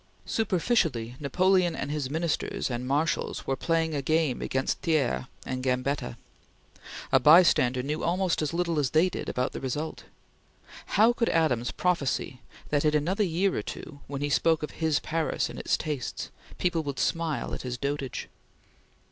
Superficially Napoleon and his Ministers and marshals were playing a game against Thiers and Gambetta. A bystander knew almost as little as they did about the result. How could Adams prophesy that in another year or two, when he spoke of his Paris and its tastes, people would smile at his dotage?